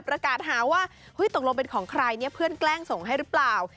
ประกาศหาว่าตกลงเป็นของใครเนี่ยเพื่อนแกล้งส่งให้หรือเปล่า